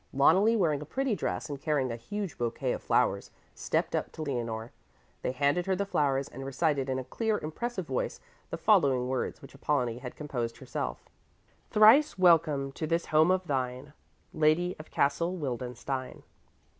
Loneli, wearing a pretty dress and carrying a huge bouquet of flowers, stepped up to Leonore. Then she handed her the flowers and recited in a clear, impressive voice the following words which Apollonie had composed herself: "Thrice welcome to this home of thine, Lady of Castle Wildenstein."